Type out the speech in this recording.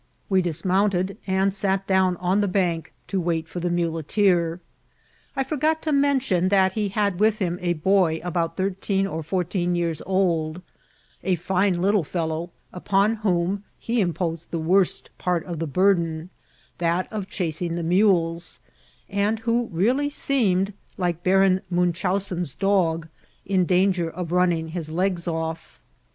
We dismounted, and sat down on the bank to wait for the muleteer. I forgot to mention that he had with him a boy about thir teen or fourteen years <M, a fine little fellow, upon whom he imposed the worst part of the burden, that of chasing the mules, and who really seemed, like Baron Munchau sen's dog, in danger of running his legs off.